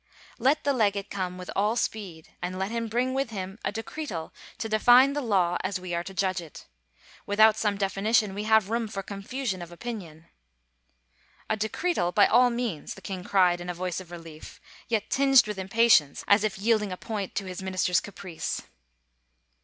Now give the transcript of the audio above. Let the legate come with all speed and let him bring with him a decretal to define the law as we are to judge it. Without some definition we have room for confusion of opinion." " A decretal, by all means," the king cried in a voice of relief, yet tinged with impatience as if yielding a point to his minister's caprice.